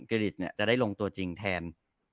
ริตจะได้ลงตัวจริงแทน